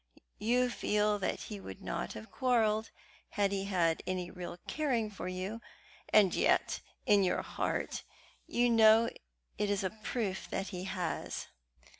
You feel that he would not have quarrelled had he had any real caring for you, and yet in your heart you know it is a proof that he has.